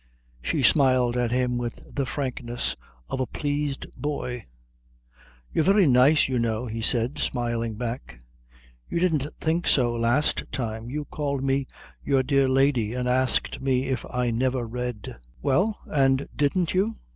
She smiled at him with the frankness of a pleased boy. "You're very nice, you know," he said, smiling back. "You didn't think so last time. You called me your dear lady, and asked me if I never read." "Well, and didn't you?"